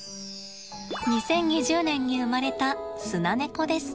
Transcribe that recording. ２０２０年に生まれたスナネコです。